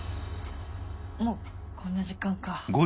もうこんな時間か。